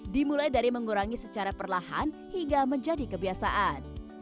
dimulai dari mengurangi secara perlahan hingga menjadi kebiasaan